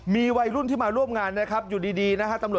มีวัยรุ่นที่มาร่วมงานนะครับอยู่ดีนะฮะ